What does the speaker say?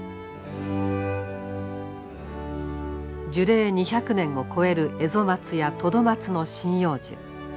樹齢２００年を超えるエゾマツやトドマツの針葉樹。